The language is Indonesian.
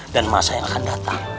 dan masa yang akan datang